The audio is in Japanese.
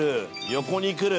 横にくる。